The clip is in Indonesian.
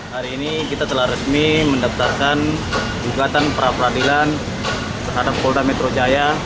hari ini kita telah resmi mendaftarkan gugatan pra peradilan terhadap polda metro jaya